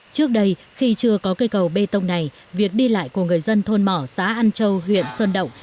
trước đây khi chưa có cây cầu bê tông này việc đi lại của người dân thôn mỏ xá an châu huyện sơn động